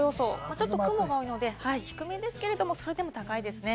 ちょっと雲が多いので、低めですけれどもそれでも高いですね。